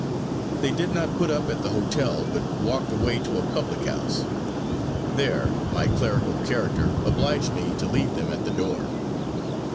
They did not put up at the hotel, but walked away to a public house. There, my clerical character obliged me to leave them at the door.